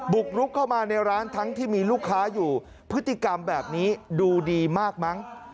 บุกรุกเข้ามาในร้านทั้งที่มีลูกค้าอยู่พฤติกรรมแบบนี้ดูดีมากมั้ง